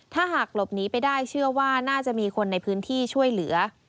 ถ้าหากหลบหนีไปได้เชื่อว่าน่าจะมีคนในพื้นที่ช่วยเหลือ